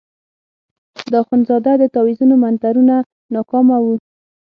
د اخندزاده د تاویزونو منترونه ناکامه وو.